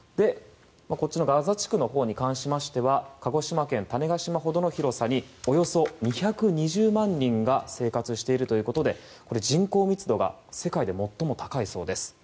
こっちのガザ地区のほうに関しましては鹿児島県種子島ほどの広さにおよそ２２０万人が生活しているということで人口密度が世界で最も高いそうです。